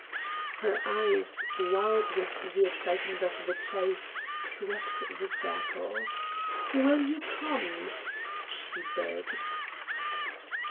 Her eyes, wild with the excitement of the chase, swept the circle. "Will you come?" she begged.